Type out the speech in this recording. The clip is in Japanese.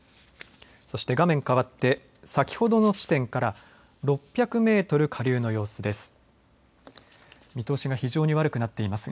そして画面かわって先ほどの地点から６００メートル下流の様子です。